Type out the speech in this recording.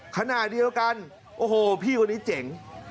ขณะเดียวกันโอ้โหพี่คนนี้เจ๋ง